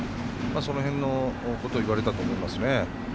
その辺のことを言われたと思いますね。